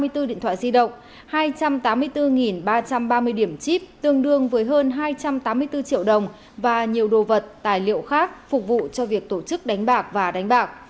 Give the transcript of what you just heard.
vật chứng thu giữ gồm hơn một trăm linh bài tay ba camera một máy tính sách tay ba camera một thùng chip tương đương với hơn hai trăm tám mươi bốn triệu đồng và nhiều đồ vật tài liệu khác phục vụ cho việc tổ chức đánh bạc và đánh bạc